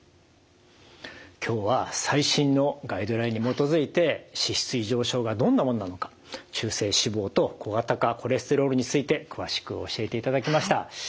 今日は最新のガイドラインに基づいて脂質異常症がどんなもんなのか中性脂肪と小型化コレステロールについて詳しく教えていただきました。